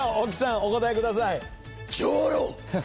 お答えください。